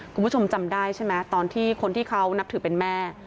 คุณผู้ชมจำได้ใช่ไหมตอนที่คนที่เขานับถือเป็นแม่